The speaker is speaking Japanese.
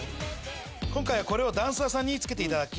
今回はこれをダンサーさんに着けていただき。